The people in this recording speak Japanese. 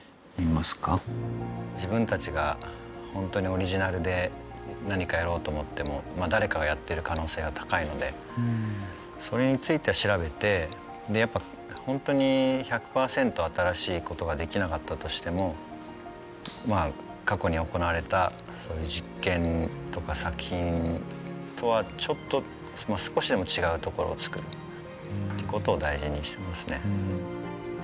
自分たちが本当にオリジナルで何かやろうと思っても誰かがやってる可能性が高いのでそれについて調べてでやっぱ本当に１００％新しいことができなかったとしても過去に行われた実験とか作品とはちょっと少しでも違う所を作るってことを大事にしてますね。